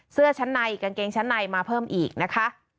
เสื้อชั้นในกางเกงชั้นในมาเพิ่มอีกนะคะ